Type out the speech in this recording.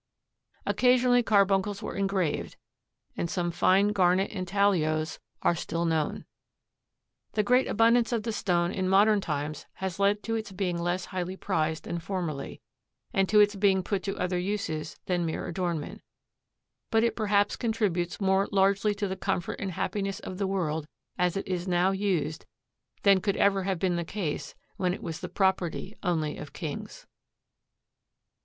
Occasionally carbuncles were engraved, and some fine garnet intaglios are still known. The greater abundance of the stone in modern times has led to its being less highly prized than formerly, and to its being put to other uses than mere adornment, but it perhaps contributes more largely to the comfort and happiness of the world as it is now used than could ever have been the case when it was the property only of kings.